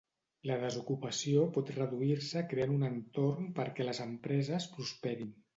La desocupació pot reduir-se creant un entorn perquè les empreses prosperin.